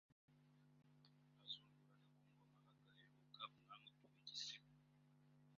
azungurana ku ngoma hagaheruka umwami utuwe igisigo